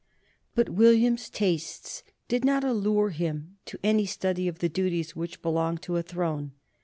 But William's tastes did not allure him to any study of the duties which belonged to a throne.